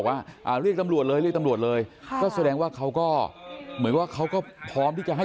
หรือจะมีเรียกตำรวจเลยก็แสดงว่าเขาก็เหมือนว่าเขาก็พร้อมที่จะให้